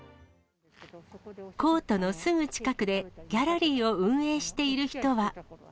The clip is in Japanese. コートのすぐ近くでギャラリーを運営している人は。